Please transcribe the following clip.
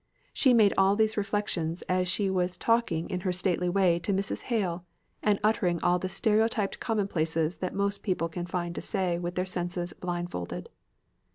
She made all these reflections as she was talking in her stately way to Mrs. Hale, and uttering all the stereotyped commonplaces that most people can find to say with their senses blindfolded.